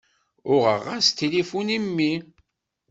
Uɣeɣ-as-d tilifun i mmi.